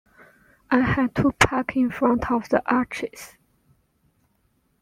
I had to park in front of the arches.